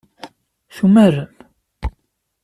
Tumarem?